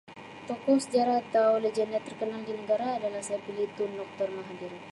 Tokoh sejarah atau lagenda terkenal di negara adalah saya pilih Tun Dr Mahathir.